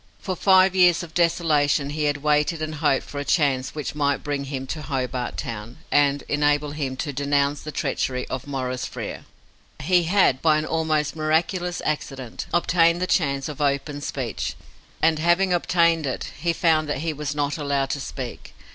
For five years of desolation he had waited and hoped for a chance which might bring him to Hobart Town, and enable him to denounce the treachery of Maurice Frere. He had, by an almost miraculous accident, obtained that chance of open speech, and, having obtained it, he found that he was not allowed to speak.